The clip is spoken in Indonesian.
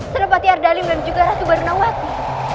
senepati ardali dan juga ratu barunawati